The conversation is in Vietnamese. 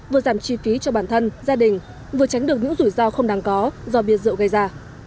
vừa giảm chi phí cho bản thân gia đình vừa tránh được những rủi ro không đáng có do bia rượu gây ra